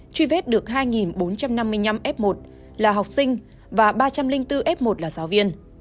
truy vết được hai bốn trăm năm mươi năm f một là học sinh và ba trăm linh bốn f một là giáo viên